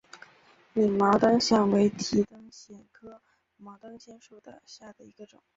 拟毛灯藓为提灯藓科毛灯藓属下的一个种。